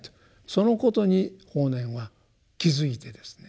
そのことに法然は気付いてですね